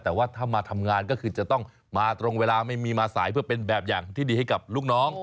แต่ว่าถ้ามาทำงานก็คือจะต้องมาตรงเวลาไม่มีมาสายเพื่อเป็นแบบอย่างที่ดีให้กับลูกน้อง